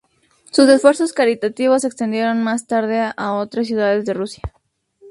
Sus esfuerzos caritativos se extendieron más tarde a otras ciudades de Rusia.